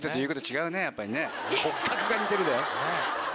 「骨格が似てる」だよ。